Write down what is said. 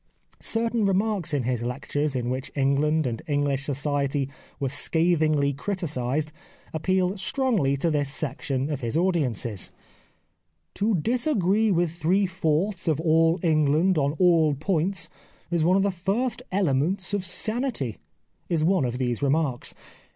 Certain remarks in his lectures in which England and English society were scath ingly criticised appealed strongly to this section of his audiences. " To disagree with three fourths of all England on all points is one of the 206 The Life of Oscar Wilde first elements of sanity," is one of these remarks.